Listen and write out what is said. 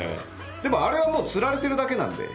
でもあれはもうつられてるだけなんで。